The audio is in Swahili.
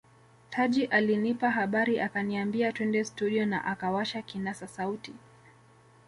Taji alinipa habari akaniambia twende studio na akawasha kinasa sauti